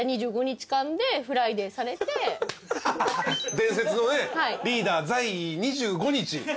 伝説のねリーダー在２５日。